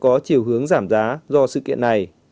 có chiều hướng giảm giá do sự kiện này